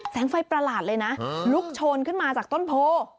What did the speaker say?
ไฟประหลาดเลยนะลุกโชนขึ้นมาจากต้นโพ